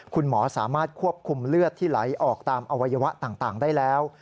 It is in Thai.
คุณหมอสามารถควบคุมเลือดที่ไหลออกตามอวัยวะต่างได้แล้ว